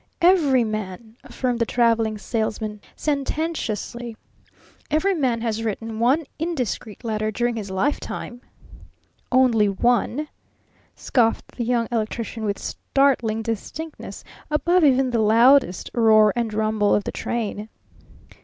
"Every man," affirmed the Traveling Salesman sententiously "every man has written one indiscreet letter during his lifetime!" "Only one?" scoffed the Young Electrician with startling distinctness above even the loudest roar and rumble of the train.